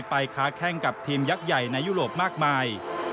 ค้าแข้งกับทีมยักษ์ใหญ่ในยุโรปมากมาย